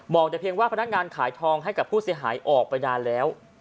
แต่เพียงว่าพนักงานขายทองให้กับผู้เสียหายออกไปนานแล้ว